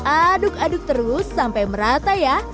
aduk aduk terus sampai merata ya